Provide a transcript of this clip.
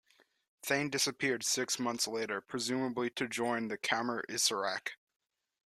Thanh disappeared six months later, presumably to join the Khmer Issarak.